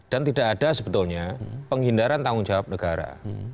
dan tidak ada sebetulnya penghindaran tanggung jawab negara